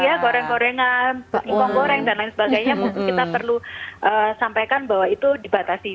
ya goreng gorengan impong goreng dan lain sebagainya mungkin kita perlu sampaikan bahwa itu dibatasi